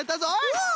うん！